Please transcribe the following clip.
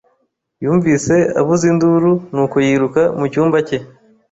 Yumvise avuza induru, nuko yiruka mu cyumba cye.